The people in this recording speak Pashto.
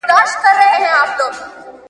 اسمان شین دئ.